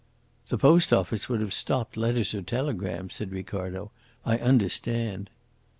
"The Post Office would have stopped letters or telegrams," said Ricardo. "I understand."